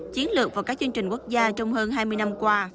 chiến lược và các chương trình quốc gia trong hơn hai mươi năm qua